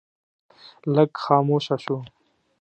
لږ خاموشه شو.